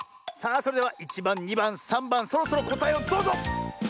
さあそれでは１ばん２ばん３ばんそろそろこたえをどうぞ！